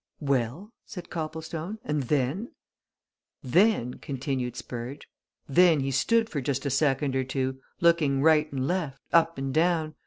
"Well?" said Copplestone. "And then?" "Then," continued Spurge. "Then he stood for just a second or two, looking right and left, up and down.